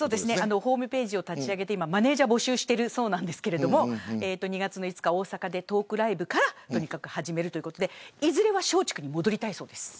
ホームページを立ち上げてマネジャーを募集しているそうなんですけど大阪でトークライブから始めるということでいずれは松竹に戻りたいそうです。